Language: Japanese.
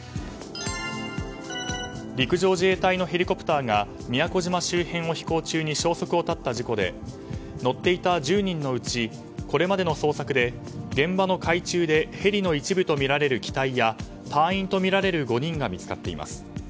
陸上自衛隊のヘリコプターが宮古島周辺を飛行中に消息を絶った事故で乗っていた１０人のうちこれまでの捜索で、現場の海中でヘリの一部とみられる機体や隊員とみられる５人が見つかっています。